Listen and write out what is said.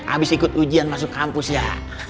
habis ikut ujian masuk kampus ya